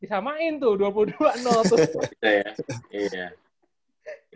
bisa main tuh dua puluh dua tuh